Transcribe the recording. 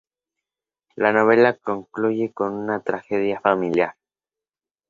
La novela concluye con una tragedia familiar.